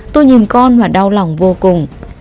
tôi nhìn con và đau lòng vô cùng